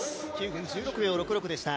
９分１６秒６６でした。